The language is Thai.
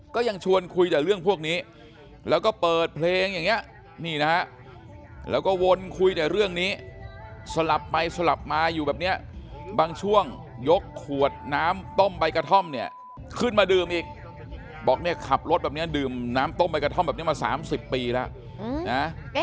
ก็ยังชวนคุยแต่เรื่องพวกนี้แล้วก็เปิดเพลงอย่างนี้นี่นะฮะแล้วก็วนคุยแต่เรื่องนี้สลับไปสลับมาอยู่แบบเนี้ยบางช่วงยกขวดน้ำต้มใบกระท่อมเนี่ยขึ้นมาดื่มอีกบอกเนี่ยขับรถแบบนี้ดื่มน้ำต้มใบกระท่อมแบบนี้มา๓๐ปีแล้วนะ